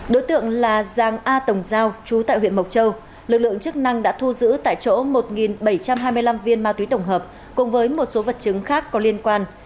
đối tượng là giàng a tổng giao trú tại huyện mộc châu lực lượng chức năng đã thu giữ tại chỗ một bảy trăm hai mươi năm viên ma túy tổng hợp cùng với một số vật chứng khác có liên quan